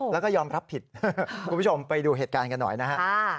แล้วก็ยอมรับผิดคุณผู้ชมไปดูเหตุการณ์กันหน่อยนะฮะ